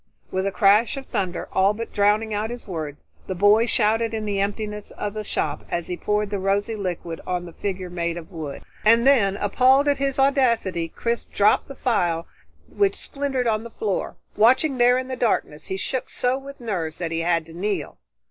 With a crash of thunder all but drowning out his words, the boy shouted in the emptiness of the shop as he poured the rosy liquid on the figure made of wood. And then, appalled at his audacity, Chris dropped the phial which splintered on the floor. Watching there in the darkness, he shook so with nerves that he had to kneel.